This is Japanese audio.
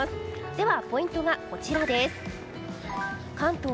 ではポイントがこちら。